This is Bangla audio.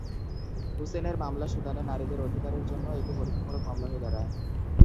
হুসেনের মামলা সুদানে নারীদের অধিকারের জন্য একটি পরীক্ষামূলক মামলা হয়ে দাঁড়ায়।